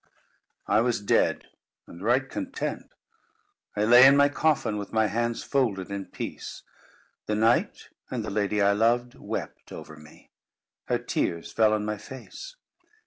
I was dead, and right content. I lay in my coffin, with my hands folded in peace. The knight, and the lady I loved, wept over me. Her tears fell on my face.